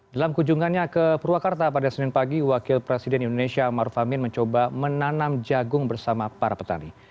dalam kunjungannya ke purwakarta pada senin pagi wakil presiden indonesia maruf amin mencoba menanam jagung bersama para petani